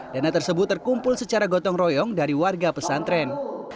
dana tersebut terkumpul secara gotong royong dari warga pesantren